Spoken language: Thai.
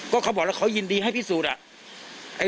ก็เขาบอกแล้วเขายินดีให้พิสูจน์อะ